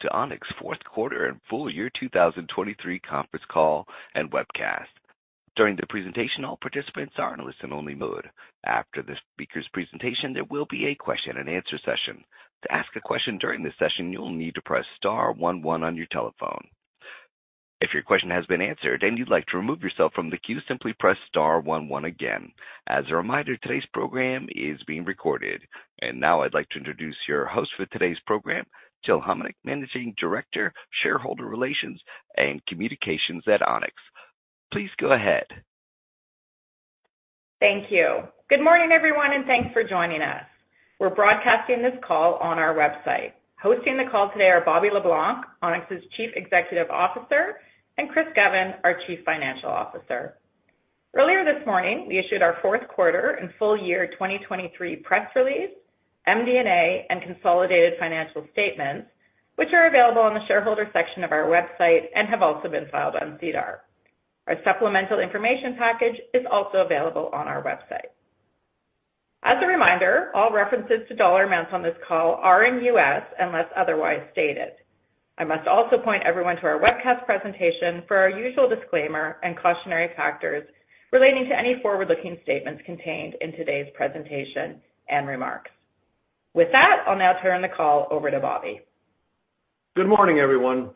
to Onex fourth quarter and full year 2023 conference call and webcast. During the presentation, all participants are in listen-only mode. After the speaker's presentation, there will be a question and answer session. To ask a question during this session, you'll need to press star one one on your telephone. If your question has been answered and you'd like to remove yourself from the queue, simply press star one one again. As a reminder, today's program is being recorded. And now I'd like to introduce your host for today's program, Jill Hominick, Managing Director, Shareholder Relations and Communications at Onex. Please go ahead. Thank you. Good morning, everyone, and thanks for joining us. We're broadcasting this call on our website. Hosting the call today are Bobby Le Blanc, Onex's Chief Executive Officer, and Chris Govan, our Chief Financial Officer. Earlier this morning, we issued our fourth quarter and full year 2023 press release, MD&A, and consolidated financial statements, which are available on the shareholder section of our website and have also been filed on SEDAR+. Our supplemental information package is also available on our website. As a reminder, all references to dollar amounts on this call are in U.S., unless otherwise stated. I must also point everyone to our webcast presentation for our usual disclaimer and cautionary factors relating to any forward-looking statements contained in today's presentation and remarks. With that, I'll now turn the call over to Bobby. Good morning, everyone.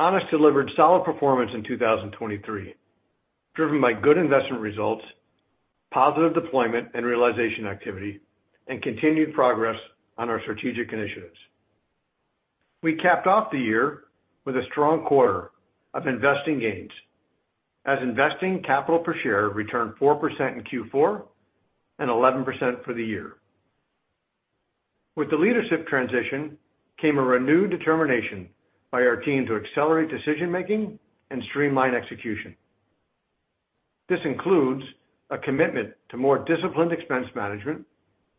Onex delivered solid performance in 2023, driven by good investment results, positive deployment and realization activity, and continued progress on our strategic initiatives. We capped off the year with a strong quarter of investing gains, as investing capital per share returned 4% in Q4 and 11% for the year. With the leadership transition came a renewed determination by our team to accelerate decision-making and streamline execution. This includes a commitment to more disciplined expense management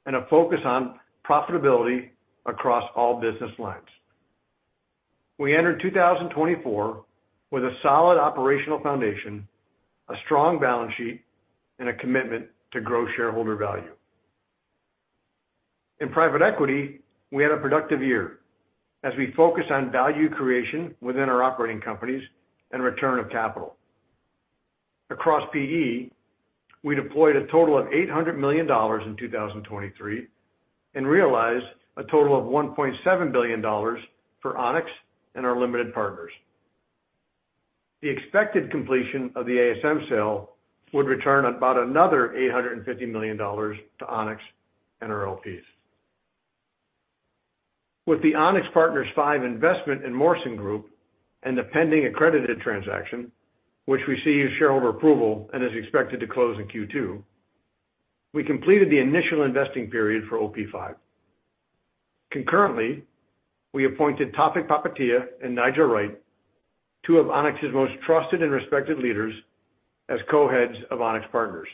and a focus on profitability across all business lines. We entered 2024 with a solid operational foundation, a strong balance sheet, and a commitment to grow shareholder value. In private equity, we had a productive year as we focused on value creation within our operating companies and return of capital. Across PE, we deployed a total of $800 million in 2023 and realized a total of $1.7 billion for Onex and our limited partners. The expected completion of the ASM sale would return about another $850 million to Onex and our LPs. With the Onex Partners V investment in Morson Group and the pending Accredited transaction, which received shareholder approval and is expected to close in Q2, we completed the initial investing period for OP5. Concurrently, we appointed Tawfiq Popatia and Nigel Wright, two of Onex's most trusted and respected leaders, as co-heads of Onex Partners.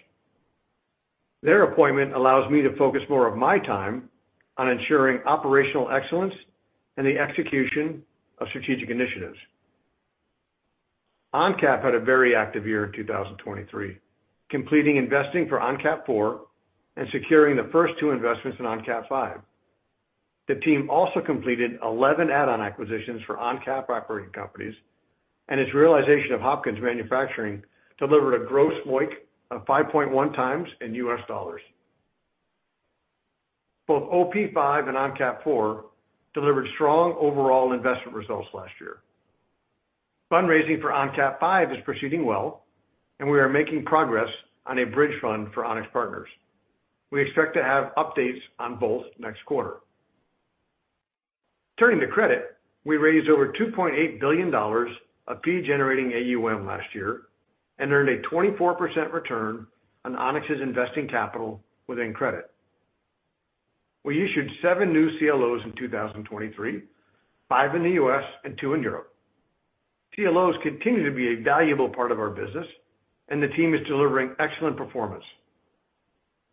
Their appointment allows me to focus more of my time on ensuring operational excellence and the execution of strategic initiatives. ONCAP had a very active year in 2023, completing investing for ONCAP IV and securing the first two investments in ONCAP V. The team also completed 11 add-on acquisitions for ONCAP operating companies, and its realization of Hopkins Manufacturing delivered a gross MOIC of 5.1x in U.S. dollars. Both OP 5 and ONCAP IV delivered strong overall investment results last year. Fundraising for ONCAP V is proceeding well, and we are making progress on a bridge fund for Onex Partners. We expect to have updates on both next quarter. Turning to credit, we raised over $2.8 billion of fee-generating AUM last year and earned a 24% return on Onex's investing capital within credit. We issued seven new CLOs in 2023, five in the U.S. and twi in Europe. CLOs continue to be a valuable part of our business, and the team is delivering excellent performance.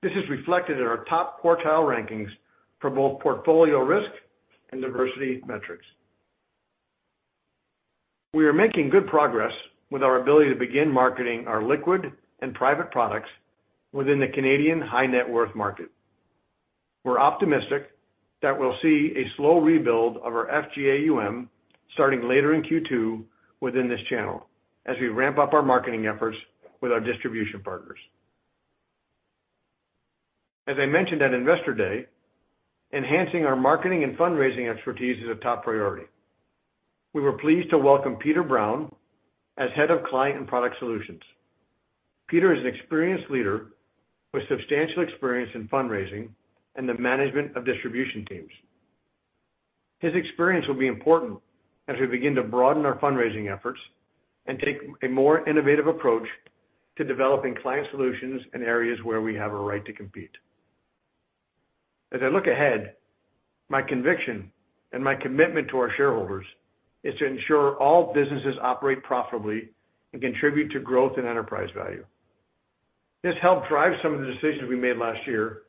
This is reflected in our top quartile rankings for both portfolio risk and diversity metrics. We are making good progress with our ability to begin marketing our liquid and private products within the Canadian high net worth market. We're optimistic that we'll see a slow rebuild of our FGAUM starting later in Q2 within this channel as we ramp up our marketing efforts with our distribution partners. As I mentioned at Investor Day, enhancing our marketing and fundraising expertise is a top priority. We were pleased to welcome Peter Brown as head of Client and Product Solutions. Peter is an experienced leader with substantial experience in fundraising and the management of distribution teams. His experience will be important as we begin to broaden our fundraising efforts and take a more innovative approach to developing client solutions in areas where we have a right to compete. As I look ahead, my conviction and my commitment to our shareholders is to ensure all businesses operate profitably and contribute to growth and enterprise value. This helped drive some of the decisions we made last year,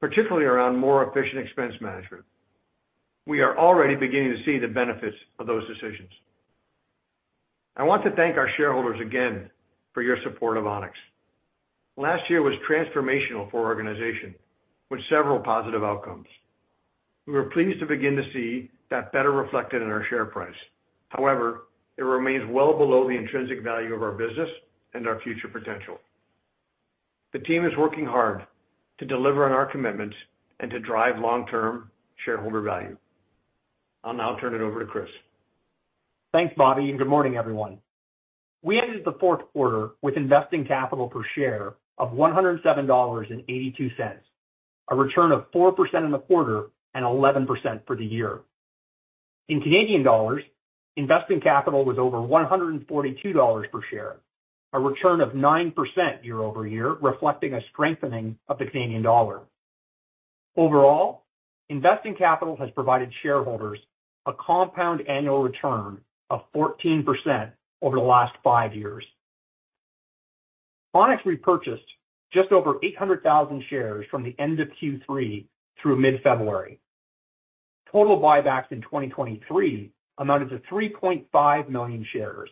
particularly around more efficient expense management. We are already beginning to see the benefits of those decisions.... I want to thank our shareholders again for your support of Onex. Last year was transformational for our organization, with several positive outcomes. We were pleased to begin to see that better reflected in our share price. However, it remains well below the intrinsic value of our business and our future potential. The team is working hard to deliver on our commitments and to drive long-term shareholder value. I'll now turn it over to Chris. Thanks, Bobby, and good morning, everyone. We ended the fourth quarter with investing capital per share of $107.82, a return of 4% in the quarter and 11% for the year. In Canadian dollars, investing capital was over $142 per share, a return of 9% year-over-year, reflecting a strengthening of the Canadian dollar. Overall, investing capital has provided shareholders a compound annual return of 14% over the last five years. Onex repurchased just over 800,000 shares from the end of Q3 through mid-February. Total buybacks in 2023 amounted to 3.5 million shares,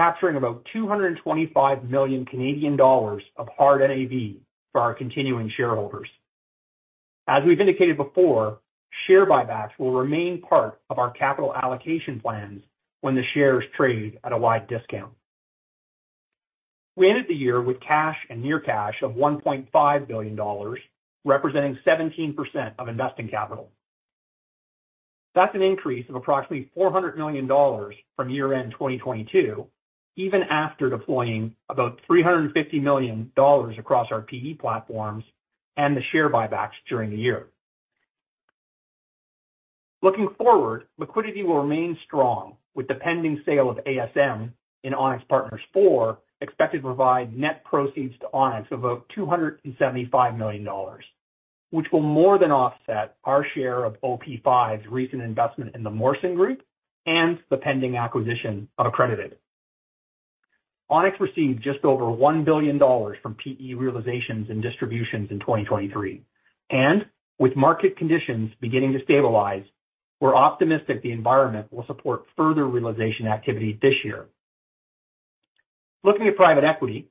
capturing about 225 million Canadian dollars of hard NAV for our continuing shareholders. As we've indicated before, share buybacks will remain part of our capital allocation plans when the shares trade at a wide discount. We ended the year with cash and near cash of $1.5 billion, representing 17% of investing capital. That's an increase of approximately $400 million from year-end 2022, even after deploying about $350 million across our PE platforms and the share buybacks during the year. Looking forward, liquidity will remain strong, with the pending sale of ASM in Onex Partners IV expected to provide net proceeds to Onex of about $275 million, which will more than offset our share of OP5's recent investment in the Morson Group and the pending acquisition of Accredited. Onex received just over $1 billion from PE realizations and distributions in 2023, and with market conditions beginning to stabilize, we're optimistic the environment will support further realization activity this year. Looking at private equity,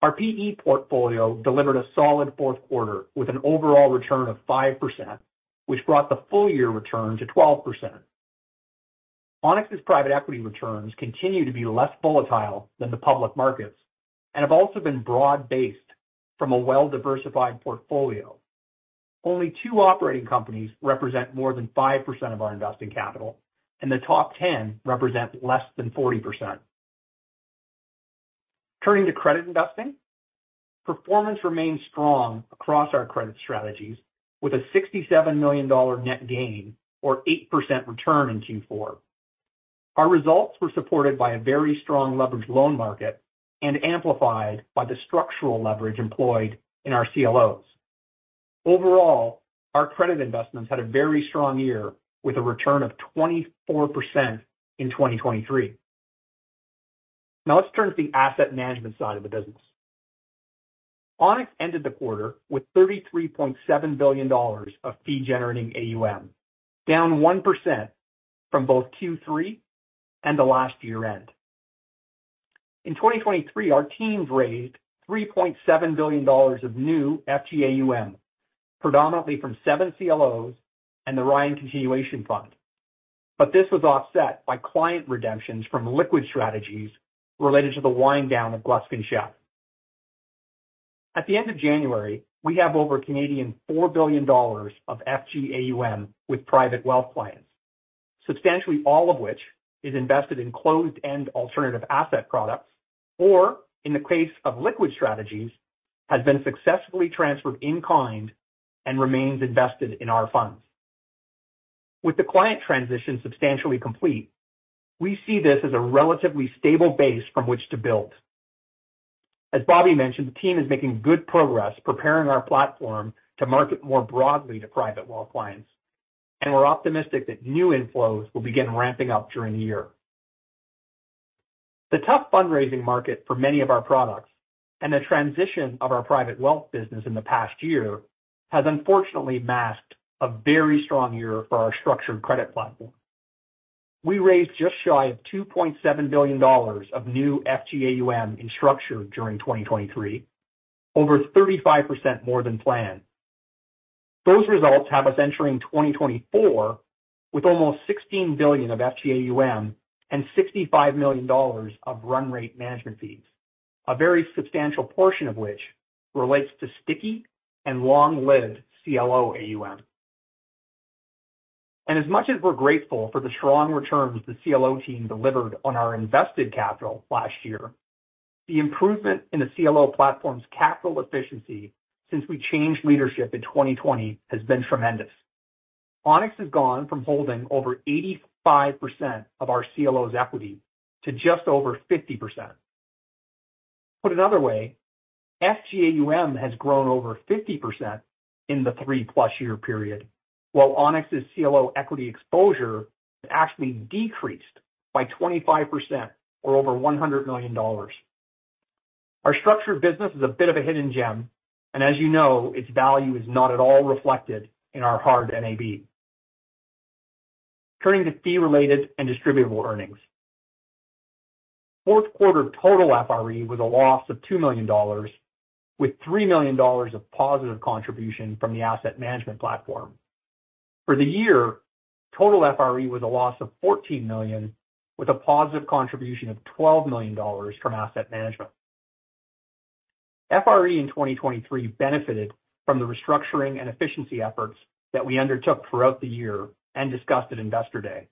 our PE portfolio delivered a solid fourth quarter with an overall return of 5%, which brought the full-year return to 12%. Onex's private equity returns continue to be less volatile than the public markets and have also been broad-based from a well-diversified portfolio. Only two operating companies represent more than 5% of our investing capital, and the top 10 represent less than 40%. Turning to credit investing, performance remains strong across our credit strategies, with a $67 million net gain or 8% return in Q4. Our results were supported by a very strong leveraged loan market and amplified by the structural leverage employed in our CLOs. Overall, our credit investments had a very strong year, with a return of 24% in 2023. Now let's turn to the asset management side of the business. Onex ended the quarter with $33.7 billion of fee-generating AUM, down 1% from both Q3 and the last year-end. In 2023, our teams raised $3.7 billion of new FGAUM, predominantly from seven CLOs and the Ryan Continuation Fund. But this was offset by client redemptions from liquid strategies related to the wind down of Gluskin Sheff. At the end of January, we have over 4 billion Canadian dollars of FGAUM with private wealth clients, substantially all of which is invested in closed-end alternative asset products, or in the case of liquid strategies, has been successfully transferred in kind and remains invested in our funds. With the client transition substantially complete, we see this as a relatively stable base from which to build. As Bobby mentioned, the team is making good progress preparing our platform to market more broadly to private wealth clients, and we're optimistic that new inflows will begin ramping up during the year. The tough fundraising market for many of our products and the transition of our private wealth business in the past year has unfortunately masked a very strong year for our structured credit platform. We raised just shy of $2.7 billion of new FGAUM in structured during 2023, over 35% more than planned. Those results have us entering 2024 with almost $16 billion of FGAUM and $65 million of run rate management fees, a very substantial portion of which relates to sticky and long-lived CLO AUM. As much as we're grateful for the strong returns the CLO team delivered on our invested capital last year, the improvement in the CLO platform's capital efficiency since we changed leadership in 2020 has been tremendous. Onex has gone from holding over 85% of our CLO's equity to just over 50%. Put another way, FGAUM has grown over 50% in the 3+ year period, while Onex's CLO equity exposure has actually decreased by 25% or over $100 million. Our structured business is a bit of a hidden gem, and as you know, its value is not at all reflected in our hard NAV. Turning to fee-related and distributable earnings. Fourth quarter total FRE was a loss of $2 million, with $3 million of positive contribution from the asset management platform. For the year, total FRE was a loss of $14 million, with a positive contribution of $12 million from asset management. FRE in 2023 benefited from the restructuring and efficiency efforts that we undertook throughout the year and discussed at Investor Day.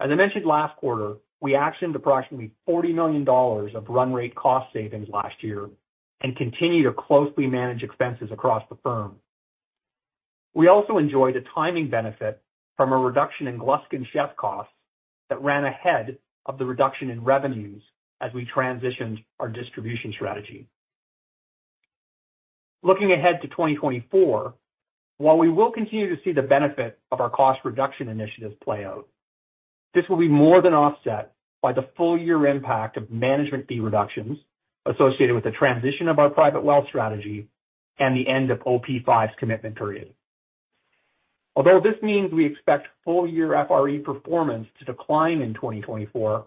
As I mentioned last quarter, we actioned approximately $40 million of run rate cost savings last year and continue to closely manage expenses across the firm. We also enjoyed a timing benefit from a reduction in Gluskin Sheff costs that ran ahead of the reduction in revenues as we transitioned our distribution strategy. Looking ahead to 2024, while we will continue to see the benefit of our cost reduction initiatives play out, this will be more than offset by the full year impact of management fee reductions associated with the transition of our private wealth strategy and the end of OP5's commitment period. Although this means we expect full year FRE performance to decline in 2024,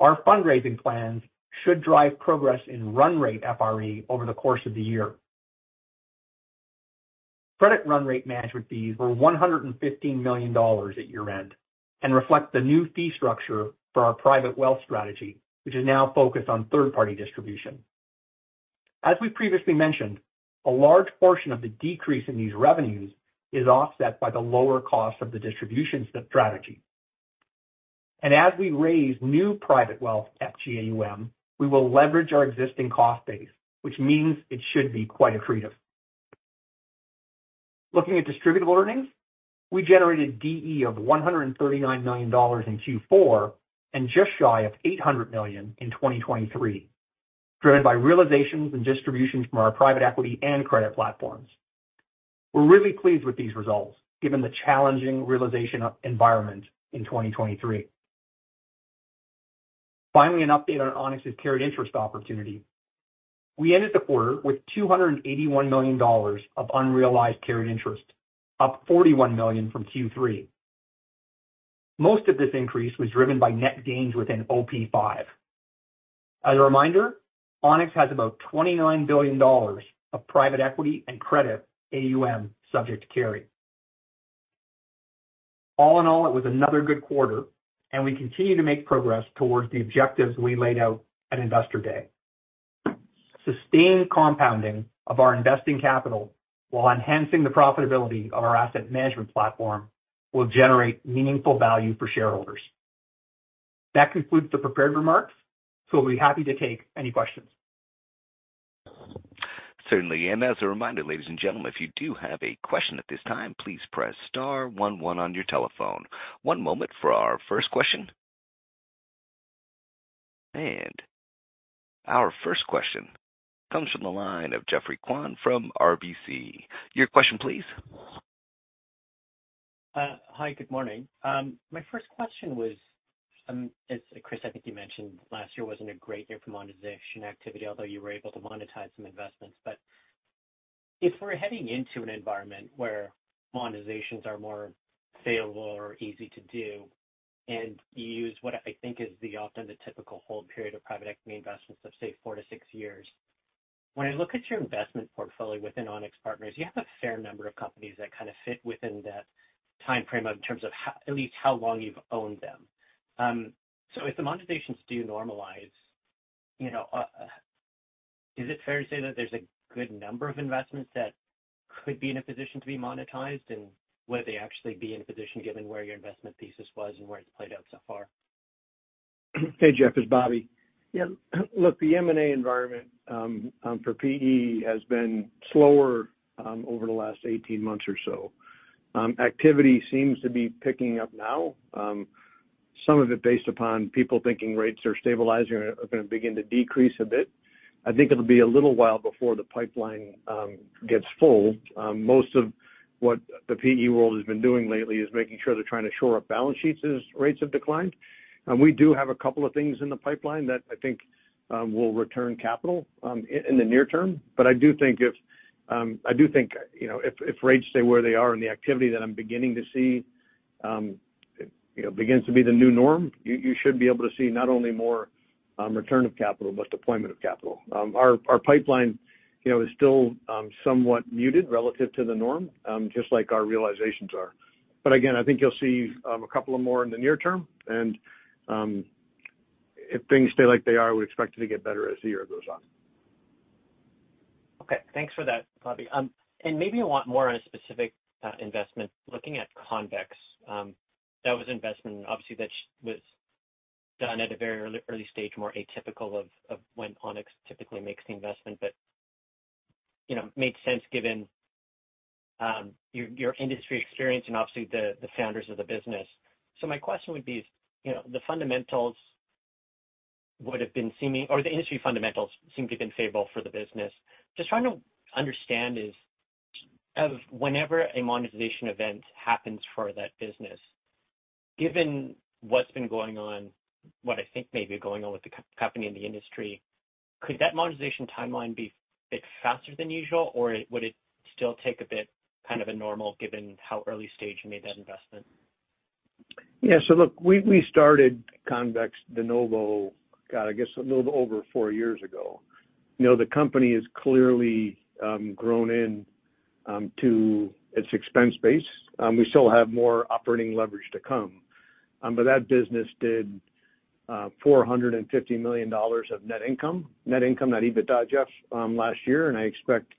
our fundraising plans should drive progress in run rate FRE over the course of the year. Credit run rate management fees were $115 million at year-end and reflect the new fee structure for our private wealth strategy, which is now focused on third-party distribution. As we previously mentioned, a large portion of the decrease in these revenues is offset by the lower cost of the distribution strategy. And as we raise new private wealth FGAUM, we will leverage our existing cost base, which means it should be quite accretive. Looking at distributable earnings, we generated DE of $139 million in Q4 and just shy of $800 million in 2023, driven by realizations and distributions from our private equity and credit platforms. We're really pleased with these results, given the challenging realization environment in 2023. Finally, an update on Onex's carried interest opportunity. We ended the quarter with $281 million of unrealized carried interest, up $41 million from Q3. Most of this increase was driven by net gains within OP Five. As a reminder, Onex has about $29 billion of private equity and credit AUM subject to carry. All in all, it was another good quarter, and we continue to make progress towards the objectives we laid out at Investor Day. Sustained compounding of our investing capital while enhancing the profitability of our asset management platform will generate meaningful value for shareholders. That concludes the prepared remarks, so we'll be happy to take any questions. Certainly. And as a reminder, ladies and gentlemen, if you do have a question at this time, please press star one one on your telephone. One moment for our first question. And our first question comes from the line of Geoffrey Kwan from RBC. Your question, please. Hi, good morning. My first question was, as Chris, I think you mentioned, last year wasn't a great year for monetization activity, although you were able to monetize some investments. But if we're heading into an environment where monetizations are more favorable or easy to do, and you use what I think is the often the typical hold period of private equity investments of, say, 4-6 years, when I look at your investment portfolio within Onex Partners, you have a fair number of companies that kind of fit within that timeframe of in terms of how, at least how long you've owned them. So if the monetizations do normalize, you know, is it fair to say that there's a good number of investments that could be in a position to be monetized, and would they actually be in a position given where your investment thesis was and where it's played out so far? Hey, Jeff, it's Bobby. Yeah, look, the M&A environment for PE has been slower over the last 18 months or so. Activity seems to be picking up now, some of it based upon people thinking rates are stabilizing or are going to begin to decrease a bit. I think it'll be a little while before the pipeline gets full. Most of what the PE world has been doing lately is making sure they're trying to shore up balance sheets as rates have declined. And we do have a couple of things in the pipeline that I think will return capital in the near term. But I do think, you know, if rates stay where they are and the activity that I'm beginning to see, you know, begins to be the new norm, you should be able to see not only more return of capital, but deployment of capital. Our pipeline, you know, is still somewhat muted relative to the norm, just like our realizations are. But again, I think you'll see a couple of more in the near term, and if things stay like they are, we expect it to get better as the year goes on. Okay, thanks for that, Bobby. Maybe I want more on a specific investment. Looking at Convex, that was an investment obviously, that was done at a very early stage, more atypical of, of when Onex typically makes the investment, but, you know, made sense given, your, your industry experience and obviously the, the founders of the business. So my question would be, you know, the fundamentals would have been seeming, or the industry fundamentals seem to have been favorable for the business. Just trying to understand is-... If whenever a monetization event happens for that business, given what's been going on, what I think may be going on with the company in the industry, could that monetization timeline be a bit faster than usual, or would it still take a bit, kind of normal, given how early stage you made that investment? Yeah. So look, we started Convex de novo, God, I guess, a little over four years ago. You know, the company has clearly grown into its expense base. We still have more operating leverage to come, but that business did $450 million of net income, net income, not EBITDA, Jeff, last year, and I expect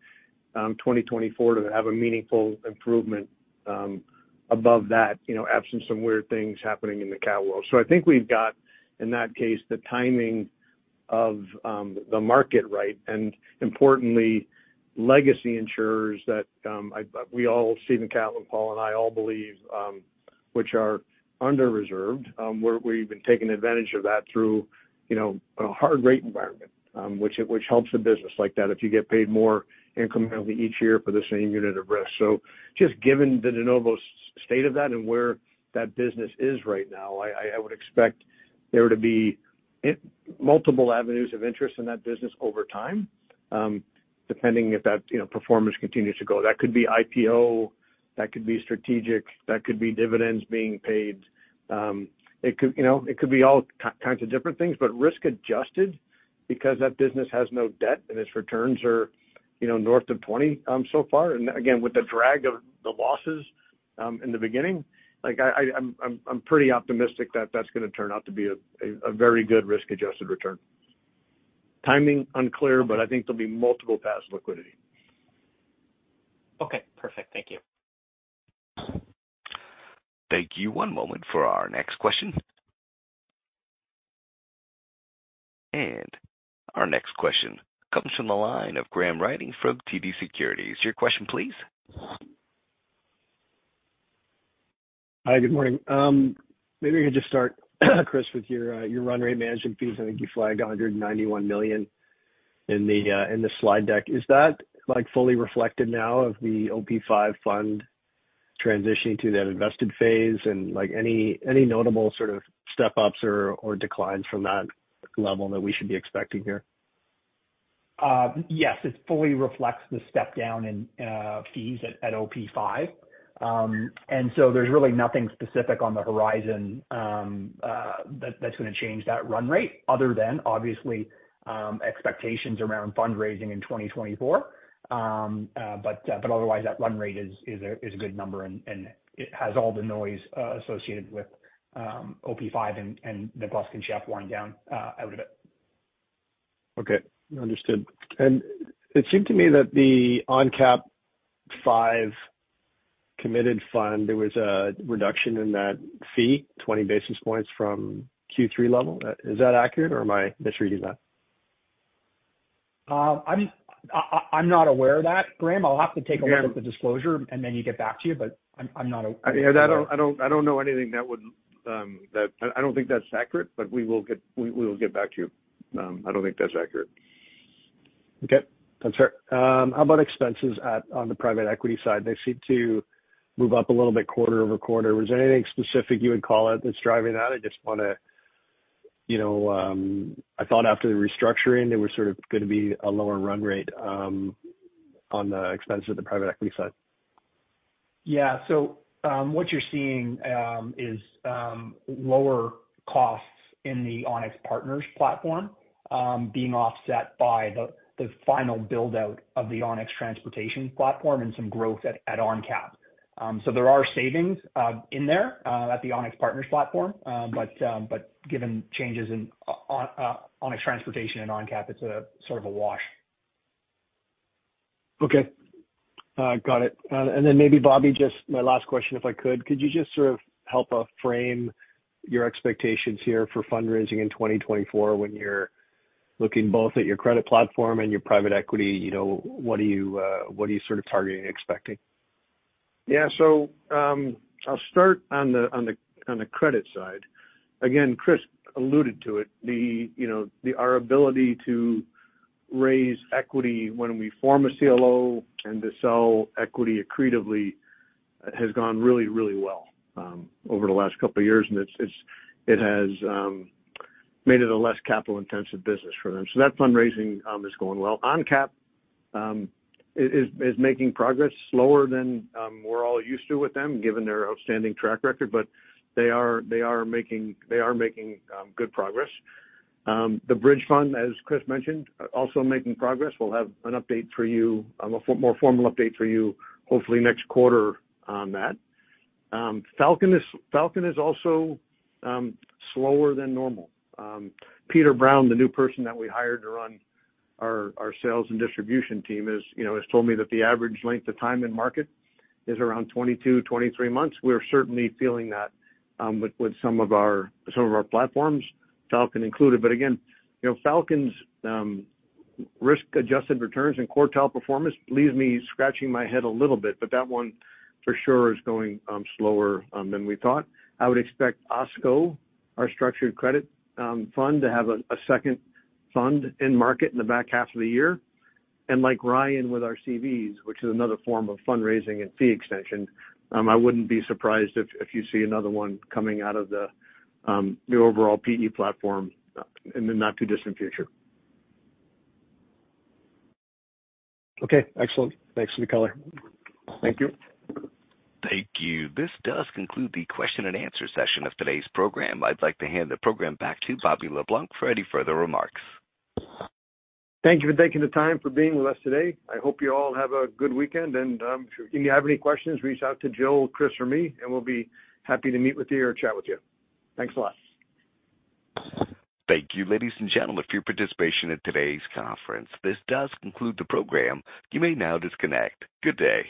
2024 to have a meaningful improvement above that, you know, absent some weird things happening in the cat world. So I think we've got, in that case, the timing of the market right, and importantly, legacy insurers that we all, Stephen Catlin, Paul, and I all believe which are under-reserved, we've been taking advantage of that through, you know, a hard rate environment, which helps a business like that if you get paid more incrementally each year for the same unit of risk. So just given the de novo state of that and where that business is right now, I would expect there to be multiple avenues of interest in that business over time, depending if that, you know, performance continues to go. That could be IPO, that could be strategic, that could be dividends being paid. It could, you know, it could be all kinds of different things, but risk adjusted, because that business has no debt and its returns are, you know, north of 20, so far, and again, with the drag of the losses, in the beginning, like, I'm pretty optimistic that that's gonna turn out to be a very good risk-adjusted return. Timing, unclear, but I think there'll be multiple paths to liquidity. Okay, perfect. Thank you. Thank you. One moment for our next question. Our next question comes from the line of Graham Ryding from TD Securities. Your question, please? Hi, good morning. Maybe I could just start, Chris, with your, your run rate management fees. I think you flagged $191 million in the, in the slide deck. Is that, like, fully reflected now of the OP Five fund transitioning to that invested phase? And, like, any, any notable sort of step-ups or, or declines from that level that we should be expecting here? Yes, it fully reflects the step down in fees at OP Five. And so there's really nothing specific on the horizon that's gonna change that run rate, other than obviously expectations around fundraising in 2024. But otherwise, that run rate is a good number, and it has all the noise associated with OP Five and Gluskin Sheff wind down out of it. Okay, understood. And it seemed to me that the ONCAP V committed fund, there was a reduction in that fee, 20 basis points from Q3 level. Is that accurate, or am I misreading that? I'm not aware of that, Graham. I'll have to take a look- Yeah... at the disclosure and then get back to you, but I'm not aware. I don't know anything that would. I don't think that's accurate, but we will get back to you. I don't think that's accurate. Okay. That's fair. How about expenses at, on the private equity side? They seem to move up a little bit quarter-over-quarter. Was there anything specific you would call out that's driving that? I just wanna, you know, I thought after the restructuring, there was sort of gonna be a lower run rate, on the expenses of the private equity side. Yeah, so what you're seeing is lower costs in the Onex Partners platform being offset by the final build-out of the Onex Transportation platform and some growth at ONCAP. So there are savings in there at the Onex Partners platform, but given changes in Onex Transportation and ONCAP, it's a sort of a wash. Okay. Got it. And then maybe Bobby, just my last question, if I could. Could you just sort of help frame your expectations here for fundraising in 2024, when you're looking both at your credit platform and your private equity? You know, what are you sort of targeting and expecting? Yeah. So, I'll start on the credit side. Again, Chris alluded to it. You know, our ability to raise equity when we form a CLO and to sell equity accretively has gone really, really well over the last couple of years, and it has made it a less capital-intensive business for them. So that fundraising is going well. ONCAP is making progress slower than we're all used to with them, given their outstanding track record, but they are making good progress. The bridge fund, as Chris mentioned, also making progress. We'll have an update for you, a more formal update for you, hopefully next quarter on that. Falcon is also slower than normal. Peter Brown, the new person that we hired to run our, our sales and distribution team, has, you know, has told me that the average length of time in market is around 22, 23 months. We're certainly feeling that, with, with some of our, some of our platforms, Falcon included. But again, you know, Falcon's, risk-adjusted returns and quartile performance leaves me scratching my head a little bit, but that one for sure is going, slower, than we thought. I would expect OSCO, our structured credit, fund, to have a, a second fund in market in the back half of the year. And like Ryan with our CVs, which is another form of fundraising and fee extension, I wouldn't be surprised if, if you see another one coming out of the, the overall PE platform, in the not-too-distant future. Okay, excellent. Thanks for the color. Thank you. Thank you. This does conclude the question and answer session of today's program. I'd like to hand the program back to Bobby Le Blanc for any further remarks. Thank you for taking the time for being with us today. I hope you all have a good weekend, and, if you have any questions, reach out to Jill, Chris, or me, and we'll be happy to meet with you or chat with you. Thanks a lot. Thank you, ladies and gentlemen, for your participation in today's conference. This does conclude the program. You may now disconnect. Good day.